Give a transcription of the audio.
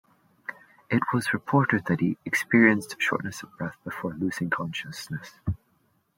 It was reported that he experienced shortness of breath before losing consciousness.